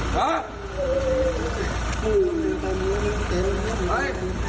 ไป